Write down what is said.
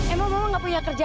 emang mama gak punya kerjaan